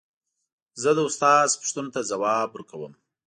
زه د استاد پوښتنو ته ځواب ورکوم.